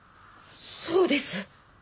そうです！